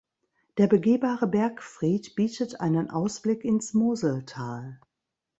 Der begehbare Bergfried bietet einen Ausblick ins Moseltal.